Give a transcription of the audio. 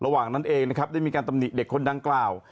ระหว่างนั้นเองนะครับได้มีการตำหนิเด็กคนดังกล่าว